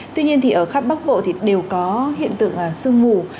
tuy nhiên thì ở khắp bắc vộ thì đều có hiện tượng sương ngủ